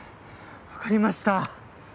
分かりました。